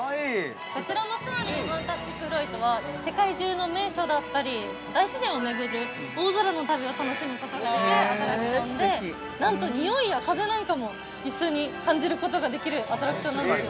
こちらの「ソアリンファンタスティックフライト」は世界中の名所だったり、大自然を巡る、大空の旅を楽しむことができるアトラクションで、なんと匂いや風なんかも一緒に感じることができるアトラクションなんですよ。